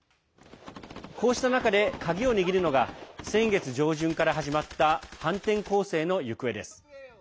こうした中で鍵を握るのが先月上旬から始まった反転攻勢の行方です。